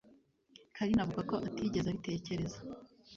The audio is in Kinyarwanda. carine avuga ko atigeze abitekereza.